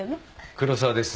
黒沢です。